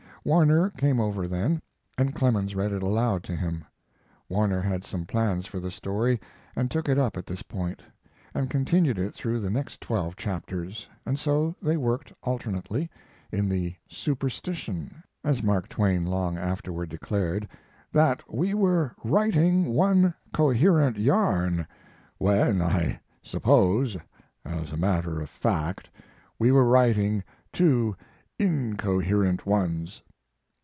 Warner came over then, and Clemens read it aloud to him. Warner had some plans for the story, and took it up at this point, and continued it through the next twelve chapters; and so they worked alternately, "in the superstition," as Mark Twain long afterward declared, "that we were writing one coherent yarn, when I suppose, as a matter of fact, we were writing two incoherent ones."